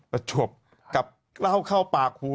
ประตูปกับเล่าเข้าปาก